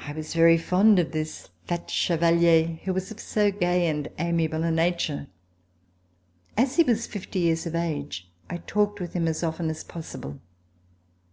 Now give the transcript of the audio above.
I was very fond of this fat chevalier who was of so gay and amiable a nature. As he was fifty years of age, I talked with him as often as possible.